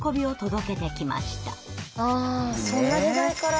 あそんな時代から。